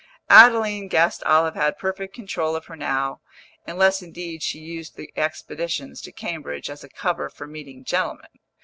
Adeline guessed Olive had perfect control of her now, unless indeed she used the expeditions to Cambridge as a cover for meeting gentlemen.